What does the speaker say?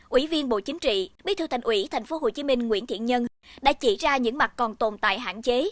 ủy viên bộ chính trị bí thư thành ủy tp hcm nguyễn thiện nhân đã chỉ ra những mặt còn tồn tại hạn chế